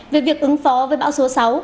về việc ứng phó với bão số sáu